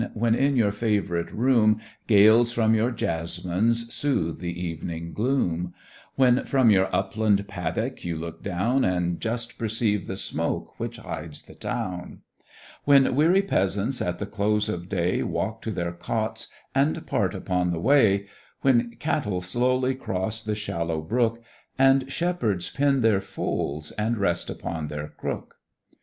when in your favourite room, Gales from your jasmines soothe the evening gloom; When from your upland paddock you look down, And just perceive the smoke which hides the town; When weary peasants at the close of day Walk to their cots, and part upon the way; When cattle slowly cross the shallow brook, And shepherds pen their folds, and rest upon their crook.